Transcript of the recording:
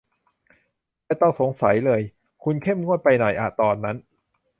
ไม่ต้องสงสัยเลย คุณเข้มงวดไปหน่อยอ่ะตอนนั้น